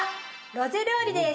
ロゼ料理です